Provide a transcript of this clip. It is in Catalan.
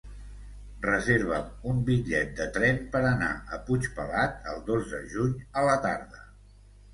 Reserva'm un bitllet de tren per anar a Puigpelat el dos de juny a la tarda.